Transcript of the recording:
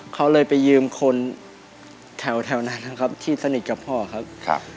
เขาเลยไปยืมคนแถวนั้นนะครับที่สนิทกับพ่อครับ